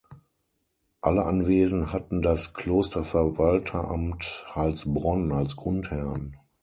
Alle Anwesen hatten das Klosterverwalteramt Heilsbronn als Grundherrn.